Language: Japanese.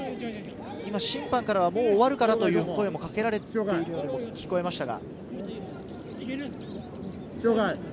審判からはもう終わるからという声もかけられていますが。